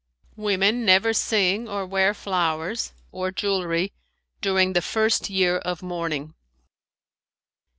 Women never sing or wear flowers or jewelry during the first year of mourning.